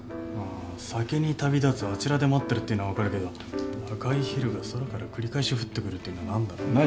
「先に旅立つあちらで待っている」っていうのは分かるけど「赤い蛭が空から繰り返し降って来る」っていうのは何だろうな？